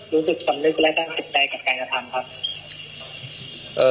รู้สึกสำนึกและตั้งสุดใจกับการกระทำครับ